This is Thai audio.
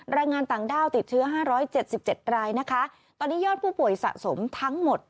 รายงานต่างด้าวติดเชื้อ๕๗๗รายนะคะตอนนี้ยอดผู้ป่วยสะสมทั้งหมด